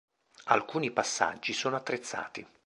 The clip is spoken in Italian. Alcuni passaggi sono attrezzati.